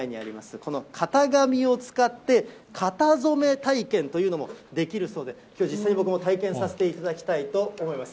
この型紙を使って、型染体験というのもできるそうで、きょう、実際に僕も体験させていただきたいと思います。